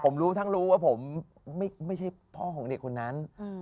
ผมรู้ทั้งรู้ว่าผมไม่ใช่พ่อของเด็กคนนั้น